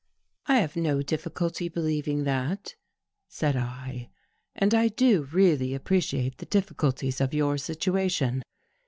" I have no difficulty believing that," said I, " and I do really appreciate the difficulties of your situa tion."